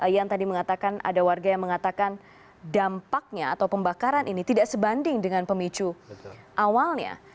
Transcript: yang tadi mengatakan ada warga yang mengatakan dampaknya atau pembakaran ini tidak sebanding dengan pemicu awalnya